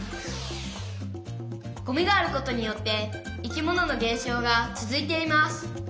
「ゴミがあることによって生き物の減少が続いています」。